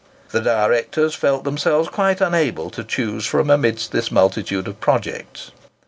The directors felt themselves quite unable to choose from amidst this multitude of projects.